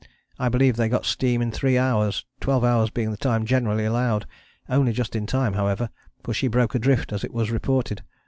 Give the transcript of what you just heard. I believe they got steam in three hours, twelve hours being the time generally allowed: only just in time, however, for she broke adrift as it was reported.